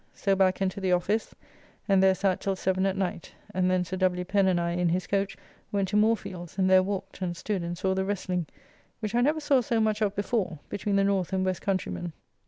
So back and to the office, and there sat till 7 at night, and then Sir W. Pen and I in his coach went to Moorefields, and there walked, and stood and saw the wrestling, which I never saw so much of before, between the north and west countrymen.